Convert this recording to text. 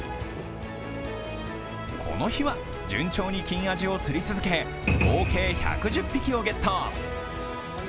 この日は順調に金アジを釣り続け合計１１０匹をゲット。